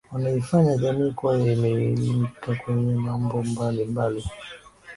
wanaifanya jamii kuwa imeelimika kwenye mambo mbali mbali